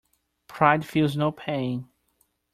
Pride feels no pain.